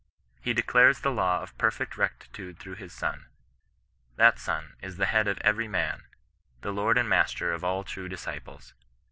He declares the law of perfect rectitude through, his Son. That Son is the Head of every man — the Lord and Master of aU true disciples.